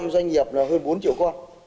một mươi năm doanh nghiệp là hơn bốn triệu con